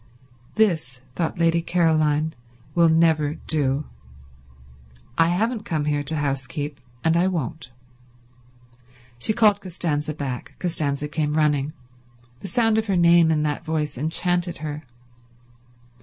"This," thought Lady Caroline, "will never do. I haven't come here to housekeep, and I won't." She called Costanza back. Costanza came running. The sound of her name in that voice enchanted her.